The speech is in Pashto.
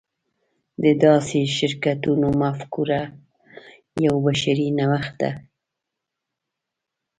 د داسې شرکتونو مفکوره یو بشري نوښت دی.